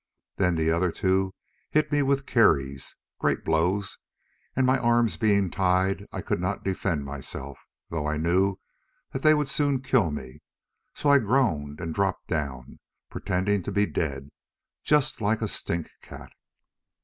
Then the other two hit me with kerries—great blows—and my arms being tied I could not defend myself, though I knew that they would soon kill me; so I groaned and dropped down, pretending to be dead—just like a stink cat.